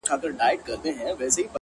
شپه می سبا تیارې می بلې کړلې